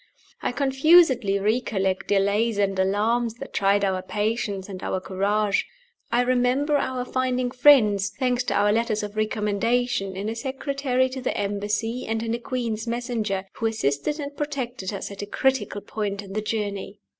I confusedly recollect delays and alarms that tried our patience and our courage. I remember our finding friends (thanks to our letters of recommendation) in a Secretary to the Embassy and in a Queen's Messenger, who assisted and protected us at a critical point in the journey.